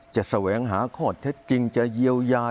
แสวงหาข้อเท็จจริงจะเยียวยา